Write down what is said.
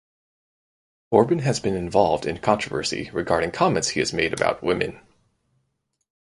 Corbin has been involved in controversy regarding comments he has made about women.